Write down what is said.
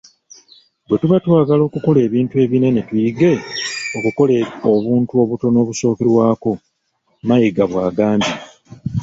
"Bwetuba twagala okukola ebintu ebinene tuyige okukola obuntu obutono obusookerwako,” Mayiga bwagambye.